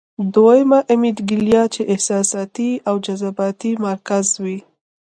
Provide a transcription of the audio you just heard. دويمه امېګډېلا چې احساساتي او جذباتي مرکز وي -